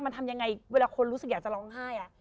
มันทำยังไงเวลาคนรู้สึกอยากจะร้องไห้